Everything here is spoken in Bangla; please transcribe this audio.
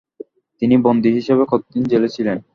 তিনি বন্দী হিসাবে কত দিন জেলে ছিলেন।